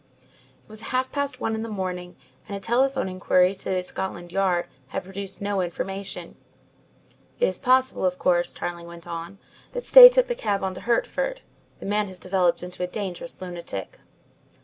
It was half past one in the morning, and a telephone inquiry to Scotland Yard had produced no information. "It is possible, of course," Tarling went on, "that Stay took the cab on to Hertford. The man has developed into a dangerous lunatic."